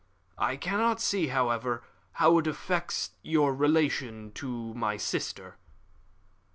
"I cannot see, however, how it affects your relation to my sister."